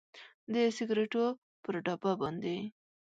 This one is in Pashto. د سګریټو پر ډبه باندې